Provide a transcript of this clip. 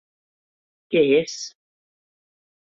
Què es?